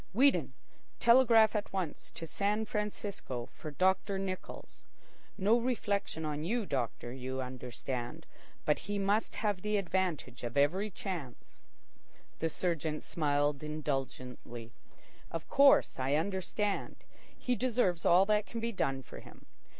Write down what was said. Weedon, telegraph at once to San Francisco for Doctor Nichols. No reflection on you, doctor, you understand; but he must have the advantage of every chance." The surgeon smiled indulgently. "Of course I understand. He deserves all that can be done for him.